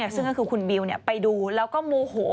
ซึ่งก็คือคุณบิวไปดูแล้วก็โมโห